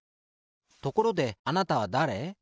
ところであなたはだれ？